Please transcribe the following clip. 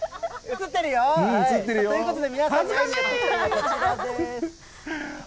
映ってるよ。ということで、皆さんね。ということでこちらです。